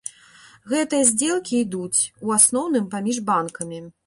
Гэтыя здзелкі ідуць, у асноўным, паміж банкамі.